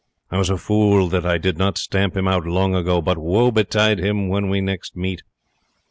I was a fool that I did not stamp him out long ago; but woe betide him when we next meet!